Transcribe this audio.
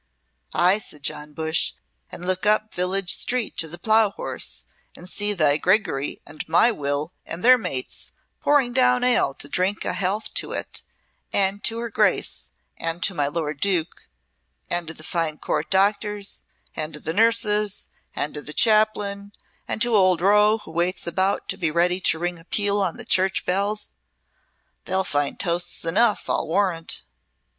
"Ay," said Joan Bush, "and look up village street to the Plough Horse, and see thy Gregory and my Will and their mates pouring down ale to drink a health to it and to her Grace and to my lord Duke, and to the fine Court doctors, and to the nurses, and to the Chaplain, and to old Rowe who waits about to be ready to ring a peal on the church bells. They'll find toasts enough, I warrant."